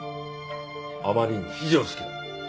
あまりに非常識だ！